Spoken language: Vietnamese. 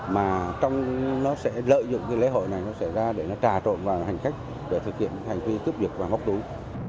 mà nó sẽ lợi dụng cái lễ hội này nó xảy ra để nó trà trộn vào hành khách để thực hiện hành vi cướp việc và móc túi